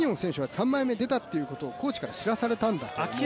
３枚目が出たというのがコーチから知らされたんだと思いますね。